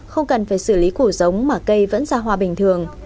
không cần phải xử lý củ giống mà cây vẫn ra hoa bình thường